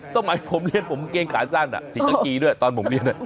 สมัยผมเรียนผมเกงขาสั้นสีกากีด้วยตอนผมเรียน